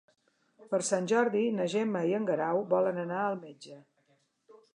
Per Sant Jordi na Gemma i en Guerau volen anar al metge.